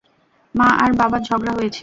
মা আর বাবার ঝগড়া হয়েছে।